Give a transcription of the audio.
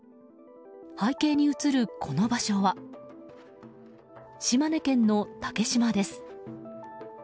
背景に映るこの場所は島根県の竹島です。